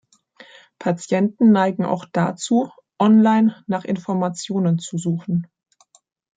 Patienten neigen auch dazu, online nach Informationen zu suchen.